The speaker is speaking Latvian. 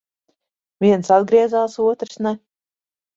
Viens atgriezās, otrs ne.